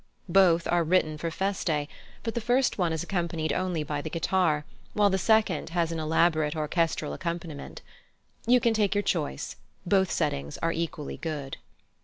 Both are written for Feste; but the first one is accompanied only by the guitar, while the second has an elaborate orchestral accompaniment. You can take your choice; both settings are equally good.